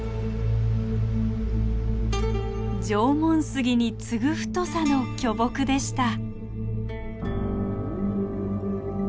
縄文杉に次ぐ太さの巨木でした。